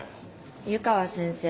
湯川先生。